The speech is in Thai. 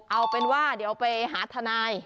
เอาเป็นว่าเดี๋ยวไปหาทนาย